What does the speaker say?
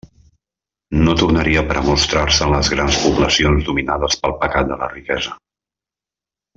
No tornaria per a mostrar-se en les grans poblacions dominades pel pecat de la riquesa.